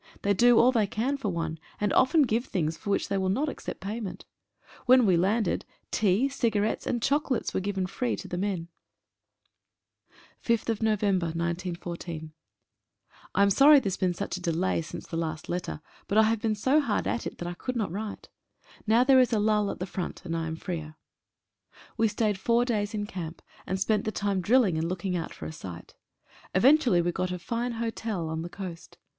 They do all they can for one, and often give things for which they will not accept payment. When we landed, tea, cigarettes, and chocolates were given free to the men. <8> •*> 5/11/14. JAM sorry there has been such a delay since last letter, but I have been so hard at it that I could not write. Now there is a lull at the Front, and I am freer. 13 A BASE HOSPITAL. We stayed four days in camp, and spent the time drilling and looking out for a site. Eventually we got a fine hotel on the coast.